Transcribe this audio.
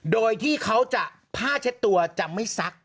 โดยที่เขาจะผ้าเช็ดตัวจะไม่ซัก